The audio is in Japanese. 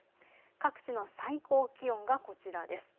各地の最高気温がこちらです。